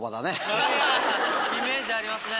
イメージありますね。